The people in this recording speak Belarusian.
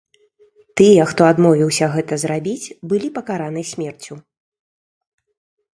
Тыя, хто адмовіўся гэта зрабіць, былі пакараны смерцю.